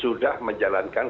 pertanyaan yang kita inginkan